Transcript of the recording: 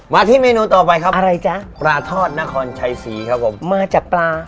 มาที่เมนูต่อไปครับอะไรจ๊ะปลาทอดนครชัยศรีครับผมมาจากปลา